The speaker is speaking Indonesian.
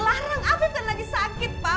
sekarang afif kan lagi sakit pak